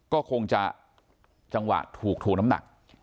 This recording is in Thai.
ก็คงจะจังหวะถูกถูกน้ำหนักด้วยเป้